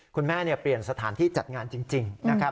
เปลี่ยนสถานที่จัดงานจริงนะครับ